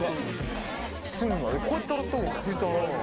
隅までこうやって洗った方が確実に洗えるよね。